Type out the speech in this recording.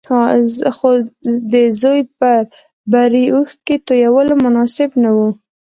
خو د زوی پر بري اوښکې تويول مناسب نه وو.